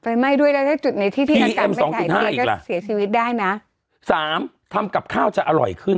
ไฟไม่ด้วยตั้งแต่จุดในที่ที่กำษัยแรกว่าเอก่อาจก็เสียชีวิตได้นะสามทำกับค่าจะอร่อยขึ้น